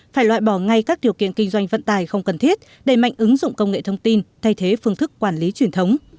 phải loại bỏ ngay các điều kiện kinh doanh vận tài không cần thiết đẩy mạnh ứng dụng công nghệ thông tin thay thế phương thức quản lý truyền thống